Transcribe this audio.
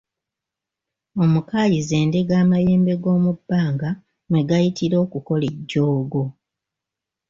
Omukaayi z’endege amayembe g’omubbanga mwe gayitira okukola ejjoogo.